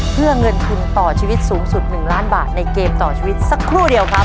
เพื่อเงินทุนต่อชีวิตสูงสุด๑ล้านบาทในเกมต่อชีวิตสักครู่เดียวครับ